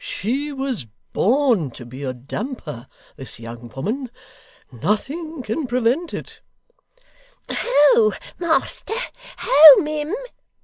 'She was born to be a damper, this young woman! nothing can prevent it!' 'Ho master, ho mim!